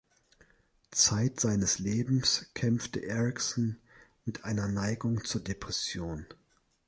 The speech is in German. Zeit seines Lebens kämpfte Erikson „mit einer Neigung zur Depression“.